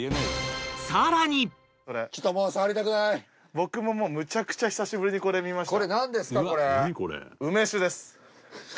僕ももうむちゃくちゃ久しぶりにこれ見ました。